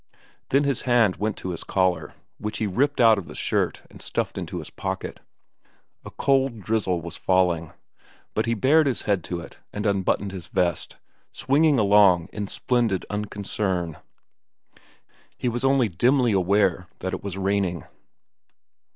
Then his hand went to his collar, which he ripped out of the shirt and stuffed into his pocket. A cold drizzle was falling, but he bared his head to it and unbuttoned his vest, swinging along in splendid unconcern. He was only dimly aware that it was raining.